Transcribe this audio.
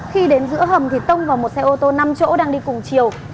khi đến giữa hầm thì tông vào một xe ô tô năm chỗ đang đi cùng chiều